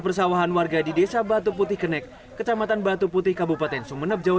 persawahan warga di desa batu putih kenek kecamatan batu putih kabupaten sumeneb jawa